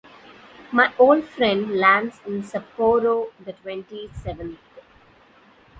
My old friend lands in Sapporo the twenty-seventh.